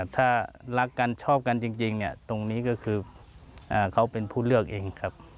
ถ้ารักกันชอบกันจริงตรงนี้ก็คือเขาเป็นผู้เลือกเองครับ